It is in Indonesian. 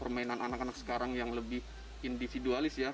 karena opsi permainan anak anak sekarang yang lebih individualis ya